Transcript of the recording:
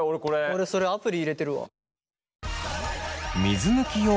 俺それアプリ入れてるわ。